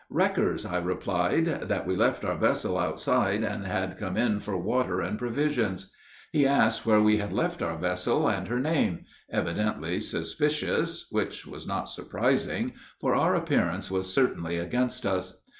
Wreckers, I replied; that we left our vessel outside, and had come in for water and provisions. He asked where we had left our vessel, and her name, evidently suspicious, which was not surprising, for our appearance was certainly against us.